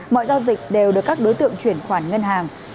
mọi giao dịch đều được các đối tượng chuyển khoản ngân hàng